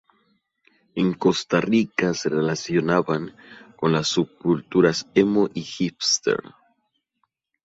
En Costa Rica se relacionaban con las subculturas emo y hipster.